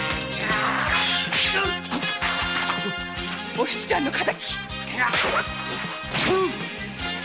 お七ちゃんの敵！